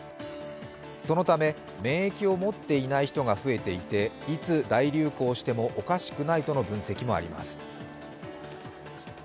そのため免疫を持っていない人が増えていていつ大流行してもおかしくないとの分析もあります。